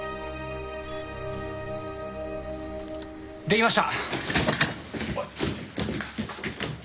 できました。